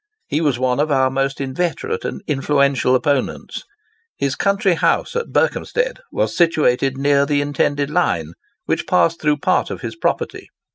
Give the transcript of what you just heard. He was one of our most inveterate and influential opponents. His country house at Berkhampstead was situated near the intended line, which passed through part of his property.